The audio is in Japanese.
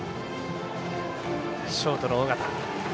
ショートの緒方。